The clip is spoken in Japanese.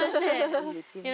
こんにちは。